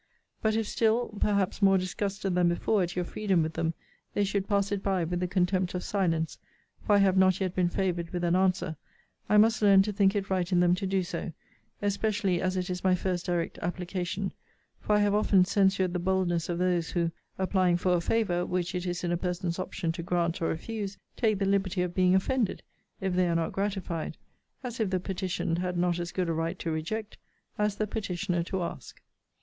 But if still (perhaps more disgusted than before at your freedom with them) they should pass it by with the contempt of silence, (for I have not yet been favoured with an answer,) I must learn to think it right in them to do so; especially as it is my first direct application: for I have often censured the boldness of those, who, applying for a favour, which it is in a person's option to grant or refuse, take the liberty of being offended, if they are not gratified; as if the petitioned had not as good a right to reject, as the petitioner to ask.